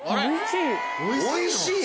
おいしい？